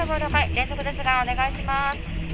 連続ですがお願いします。